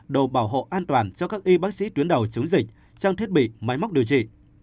đồ bảo hộ an toàn cho các y bác sĩ tuyến đầu chống dịch trang thiết bị máy móc điều trị